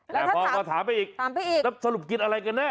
แต่พอมาถามไปอีกสรุปกินอะไรกันแน่